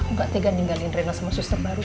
aku gak tegan ninggalin reina sama sus ter baru